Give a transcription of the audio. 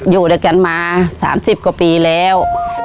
อยู่ด้วยกันมา๓๐กว่าปีแล้ว